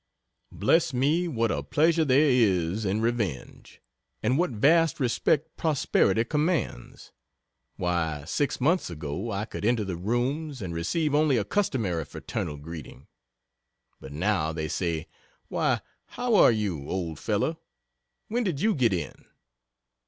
Bless me! what a pleasure there is in revenge! and what vast respect Prosperity commands! Why, six months ago, I could enter the "Rooms," and receive only a customary fraternal greeting but now they say, "Why, how are you, old fellow when did you get in?"